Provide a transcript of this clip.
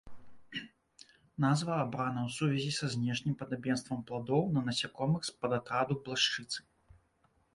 Назва абрана ў сувязі са знешнім падабенствам пладоў на насякомых з падатраду блашчыцы.